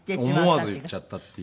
思わず言っちゃったっていう。